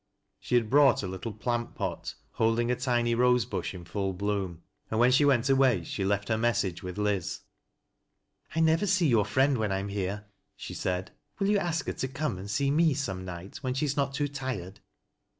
She had brought a little plant pot holding a tiny rose bush in full bloom, and when shy went away she left her message with Liz. " I never see your friend when I am here," she aaidj " will you ask her to come and see i>ie some night when gbe is not too tired